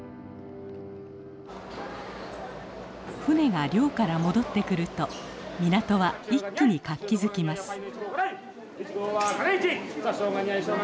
船が漁から戻ってくると港は一気に活気づきます。